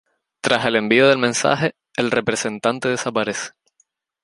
Tras el envío del mensaje, el representante desaparece.